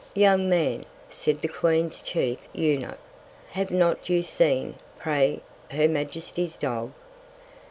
Young Man, said the Queen's chief Eunuch, have not you seen, pray, her Majesty's Dog?